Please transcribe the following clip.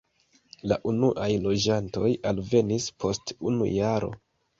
La unuaj loĝantoj alvenis post unu jaro.